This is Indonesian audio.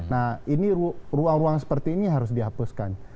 nah ini ruang ruang seperti ini harus dihapuskan